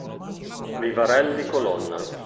Vivarelli Colonna